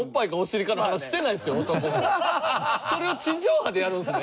それを地上波でやるんですね？